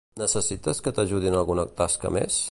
Necessites que t'ajudi en alguna tasca més?